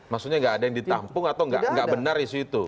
maksudnya nggak ada yang ditampung atau nggak benar isu itu